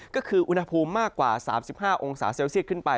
ก็คืออุณหภูมิมากกว่า๓๕องศาเซลเซียตขึ้นไป